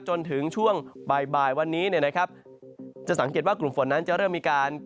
จนถึงช่วงบ่ายบ่ายวันนี้เนี่ยนะครับจะสังเกตว่ากลุ่มฝนนั้นจะเริ่มมีการ